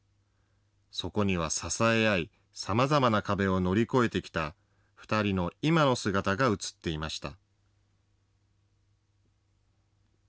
そこには、支え合い、さまざまな壁を乗り越えてきた２人の今の姿が写っていました。